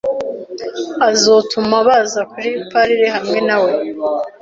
Azotuma baza kuri parley hamwe na we